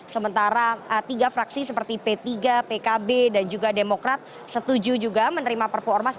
sementara tiga fraksi seperti p tiga pkb dan juga demokrat setuju juga menerima perpu ormas